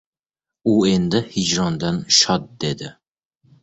U endi hijrondan shod dedi!